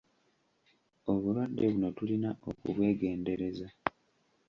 Obulwadde buno tulina okubwegendereza.